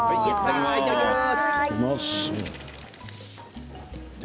いただきます。